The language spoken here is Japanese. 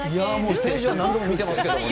ステージは何度も見てますけどね。